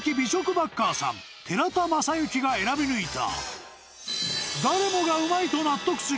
バッカーさん寺田昌之が選び抜いた］